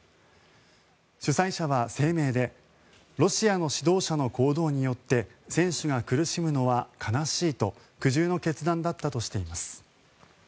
主催者は声明でロシアの指導者の行動によって選手が苦しむのは悲しいと苦渋の決断だったとしています。